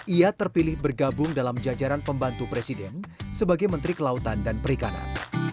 ia terpilih bergabung dalam jajaran pembantu presiden sebagai menteri kelautan dan perikanan